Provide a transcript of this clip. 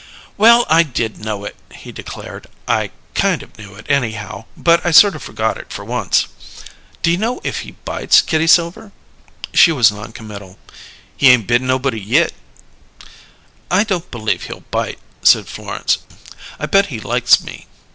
"Well, I did know it," he declared. "I kind of knew it, anyhow; but I sort of forgot it for once. Do you know if he bites, Kitty Silver?" She was noncommittal. "He ain't bit nobody yit." "I don't believe he'll bite," said Florence. "I bet he likes me.